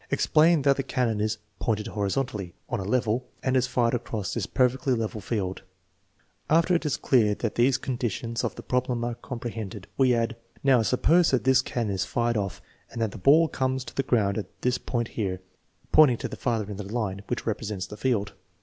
Explain that the cannon is " pointed horizontally (on a level) and is fired across this perfectly level field" After it is clear that these conditions of the problem 334 THE MEASUREMENT OF INTELLIGENCE are comprehended, we add: "Now, suppose that this cannon is fired off and that the ball comes to the ground at this point here (pointing to the farther end of the line which represents the field).